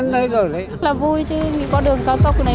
là vui chứ vì con đường cao tốc này